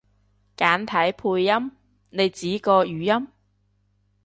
簡體配音？你指個語音？